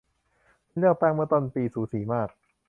เลือกตั้งเมื่อต้นปีสูสีมาก